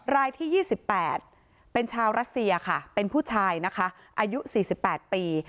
รายที่๒๘เป็นชาวรัสเซียค่ะเป็นผู้ชายนะคะอายุ๔๘ปี